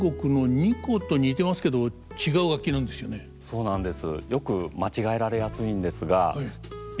そうなんです。